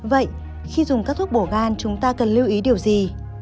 vậy khi dùng các thuốc bổ gan chúng ta cần lưu ý điều gì